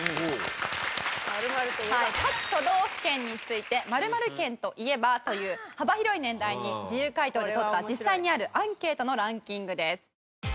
各都道府県について「○○県といえば」という幅広い年代に自由回答でとった実際にあるアンケートのランキングです。